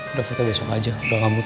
udah foto besok aja udah ngambut